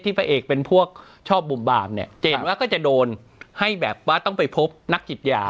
พระเอกเป็นพวกชอบบุ่มบามเนี่ยเจนว่าก็จะโดนให้แบบว่าต้องไปพบนักจิตยา